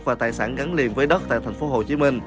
và tài sản gắn liền với đất tại tp hcm